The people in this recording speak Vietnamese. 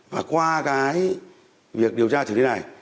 và qua việc điều tra xử lý này